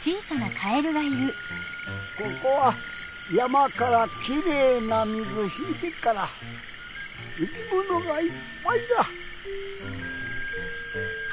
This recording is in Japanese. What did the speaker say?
ここは山からきれいな水引いてっから生きものがいっぱいだ。